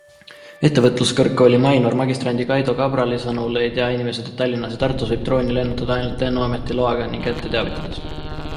Ettevõtluskõrgkooli Mainor magistrandi Kaido Kabrali sõnul ei tea inimesed, et Tallinnas ja Tartus võib drooni lennutada ainult Lennuameti loaga ning ette teavitades.